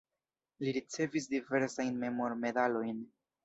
Li ricevis diversajn memormedalojn.